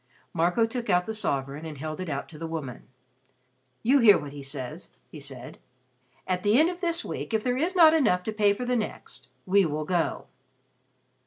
Marco took out the sovereign and held it out to the woman. "You hear what he says," he said. "At the end of this week if there is not enough to pay for the next, we will go."